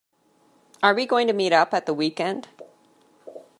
Are we going to meet up at the weekend?